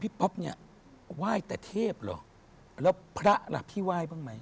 พี่ป๊อปเนี่ยว่ายแต่เทพหรอแล้วพระล่ะพี่ว่ายบ้างมั้ย